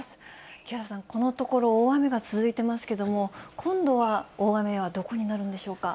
木原さん、このところ大雨が続いてますけれども、今度は大雨はどこになるんでしょうか。